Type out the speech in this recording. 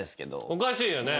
おかしいよね。